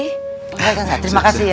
oke oke terima kasih ya